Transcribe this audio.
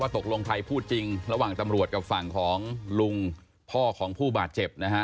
ตกลงใครพูดจริงระหว่างตำรวจกับฝั่งของลุงพ่อของผู้บาดเจ็บนะฮะ